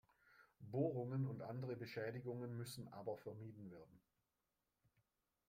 Bohrungen und andere Beschädigungen müssen aber vermieden werden.